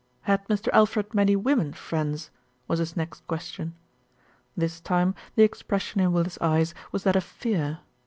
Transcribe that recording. "Had Mr. Alfred many women friends?" was his next question. This time the expression in Willis' eyes was that of fear.